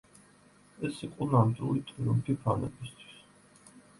ეს იყო ნამდვილი ტრიუმფი ფანებისთვის.